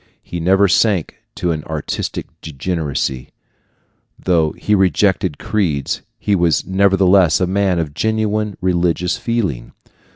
He never sank to an artistic degeneracy. Though he rejected creeds, he was nevertheless a man of genuine religious feeling.